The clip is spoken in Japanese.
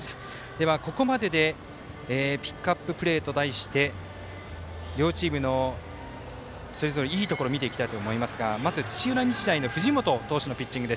では、ここまででピックアッププレーと題して両チームのそれぞれいいところ見ていこうと思いますが土浦日大の藤本投手のピッチング。